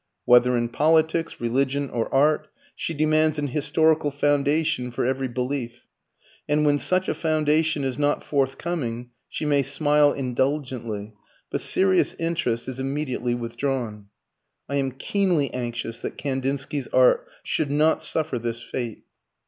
Whether in politics, religion, or art, she demands an historical foundation for every belief, and when such a foundation is not forthcoming she may smile indulgently, but serious interest is immediately withdrawn. I am keenly anxious that Kandinsky's art should not suffer this fate.